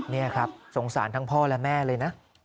นี่ครับสงสารทั้งพ่อและแม่เลยนะ